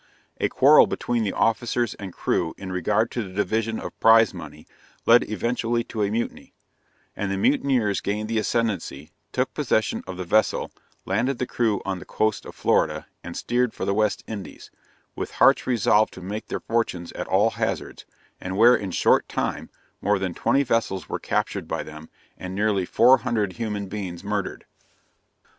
A quarrel between the officers and crew in regard to the division of prize money, led eventually to a mutiny; and the mutineers gained the ascendancy, took possession of the vessel, landed the crew on the coast of Florida, and steered for the West Indies, with hearts resolved to make their fortunes at all hazards, and where in a short time, more than twenty vessels were captured by them and nearly Four Hundred Human Beings Murdered!